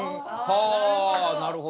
あなるほど。